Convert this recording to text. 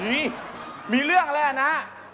มีมีเรื่องแล้วนะ